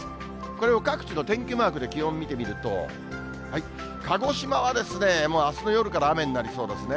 これを各地の天気マークで気温見てみると、鹿児島は、もうあすの夜から雨になりそうですね。